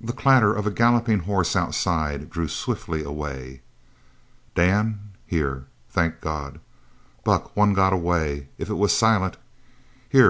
The clatter of a galloping horse outside drew swiftly away. "Dan!" "Here!" "Thank God!" "Buck, one got away! If it was Silent Here!